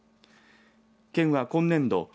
県は今年度